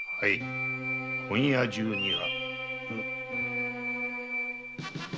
今夜中には。